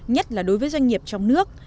nhất là đối với doanh nghiệp trong nước